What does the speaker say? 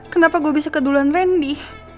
kenapa gue bisa keduluan ren di